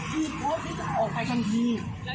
เพราะว่าฉันจะออกไปทันที